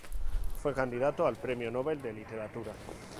Fue candidato al Premio Nobel de Literatura.